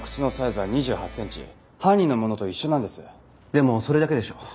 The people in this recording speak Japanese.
でもそれだけでしょう。